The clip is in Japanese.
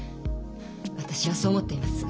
私はそう思っています。